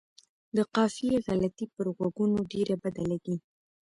د قافیې غلطي پر غوږونو ډېره بده لګي.